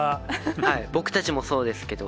僕たちもそうですけど。